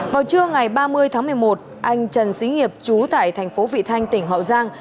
vào trưa ngày ba mươi tháng một mươi một anh trần sĩ hiệp chú tại thành phố vị thanh tỉnh hậu giang